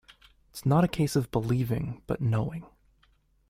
It's not a case of believing, but knowing.